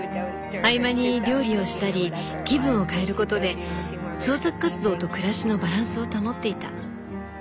合間に料理をしたり気分を変えることで創作活動と暮らしのバランスを保っていた。